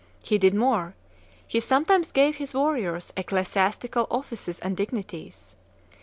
He did more: he sometimes gave his warriors ecclesiastical offices and dignities.